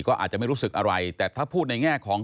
ก็อาจจะไม่รู้สึกอะไรแต่ถ้าพูดในแง่ของ